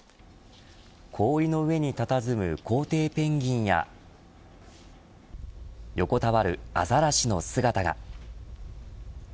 氷の上にたたずむ皇帝ペンギンや横たわるアザラシの姿が。